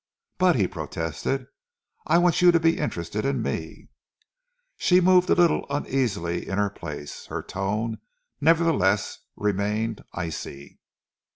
"But," he protested, "I want you to be interested in me." She moved a little uneasily in her place. Her tone, nevertheless, remained icy.